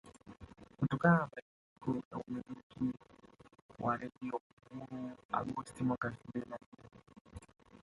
Kutokana na mabadiliko ya umiliki wa Radio Uhuru Agosti mwaka elfu mbili na nne